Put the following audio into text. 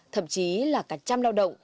thậm chí là cả trăm lao động